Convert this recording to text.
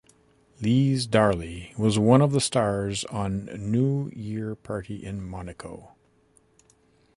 Lise Darly was one of stars on New Year Party in Monaco.